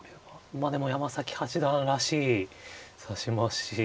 まあでも山崎八段らしい指し回しですね。